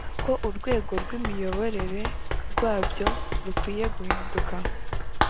ko urwego rw’imiyoborere rwabyo rukwiye guhindurwa